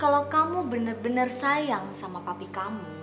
kalau kamu bener bener sayang sama papi kamu